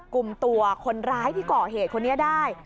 กลุ่มตัวคนร้ายที่ก่อเหตุคนนี้ได้